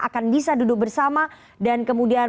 akan bisa duduk bersama dan kemudian